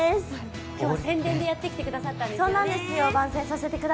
今日は宣伝でやってきてくださったんですよね。